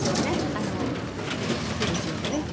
あのページをね。